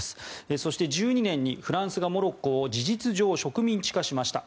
そして、１２年にフランスがモロッコを事実上植民地化しました。